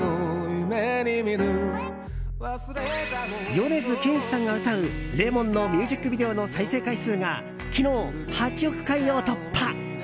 米津玄師さんが歌う「Ｌｅｍｏｎ」のミュージックビデオの再生回数が昨日８億回を突破。